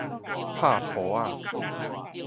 拍噗仔